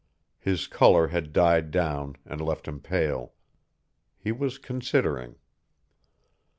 His color had died down and left him pale. He was considering.